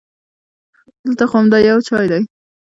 دلته خو همدا یو چای دی.